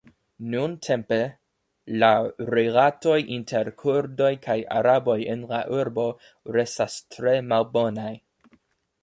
Nuntempe la rilatoj inter Kurdoj kaj Araboj en la urbo restas tre malbonaj.